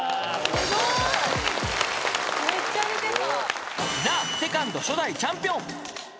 すごい！めっちゃ似てた。